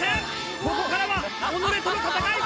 ここからはおのれとの戦い！